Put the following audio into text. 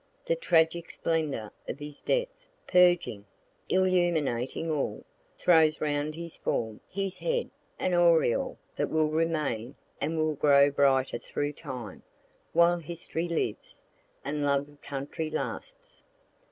The tragic splendor of his death, purging, illuminating all, throws round his form, his head, an aureole that will remain and will grow brighter through time, while history lives, and love of country lasts.